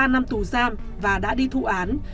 ba năm tù giam và đã đi thụ án